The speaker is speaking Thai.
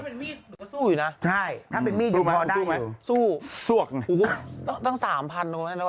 ดำเนินคดีต่อไปนั่นเองครับ